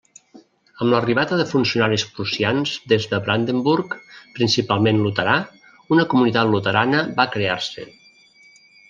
Amb l'arribada de funcionaris prussians des de Brandenburg, principalment luterà, una comunitat luterana va crear-se.